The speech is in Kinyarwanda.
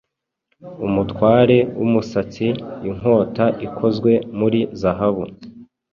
Umutware wumusatsi inkota ikozwe muri zahabu